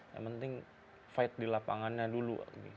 yang penting fight di lapangannya dulu